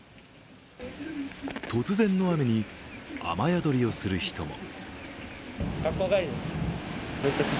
突然の雨に、雨宿りをする人も。